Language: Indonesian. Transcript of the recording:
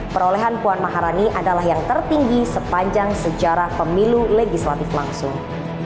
perolehan puan maharani adalah yang tertinggi sepanjang sejarah pemilu legislatif langsung